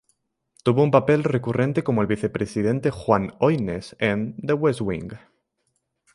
Tuvo un papel recurrente como el vicepresidente Juan Hoynes en "The West Wing".